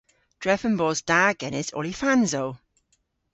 Drefen bos da genes olifansow.